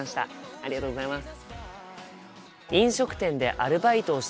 ありがとうございます。